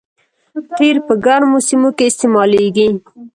قیر په ګرمو سیمو کې استعمالیږي